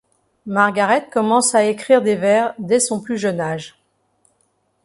Margaret commence à écrire des vers dès son plus jeune âge.